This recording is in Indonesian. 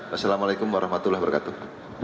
wassalamualaikum warahmatullahi wabarakatuh